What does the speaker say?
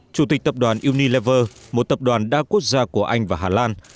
chủ tịch tập đoàn unilever một tập đoàn đa quốc gia của anh và hà lan